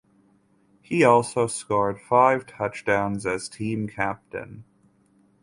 He also scored five touchdowns as team captain.